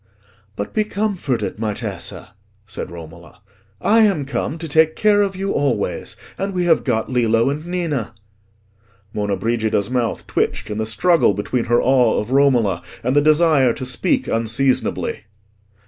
"But be comforted, my Tessa," said Romola. "I am come to take care of you always. And we have got Lillo and Ninna." Monna Brigida's mouth twitched in the struggle between her awe of Romola and the desire to speak unseasonably.